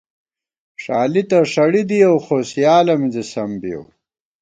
ݭالی تہ ݭڑِی دِیَؤ خو سیالہ مِنزی سم بِیَؤ